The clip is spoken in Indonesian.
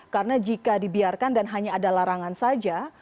karena jika dibiarkan dan hanya ada larangan saja